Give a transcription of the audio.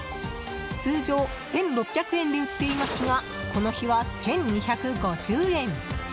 通常１６００円で売っていますがこの日は１２５０円。